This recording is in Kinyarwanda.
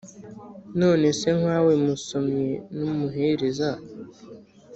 nonese nkawe musomyi n’umuhereza